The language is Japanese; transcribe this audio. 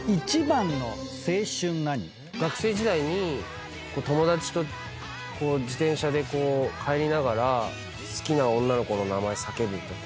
学生時代に友達と自転車でこう帰りながら好きな女の子の名前叫ぶとか。